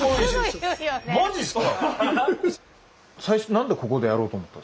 マジっすか？